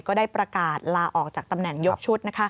ก็ได้ประกาศลาออกจากตำแหน่งยกชุด